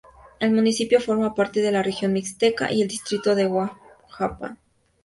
El municipio forma parte de la región Mixteca y del Distrito de Huajuapan.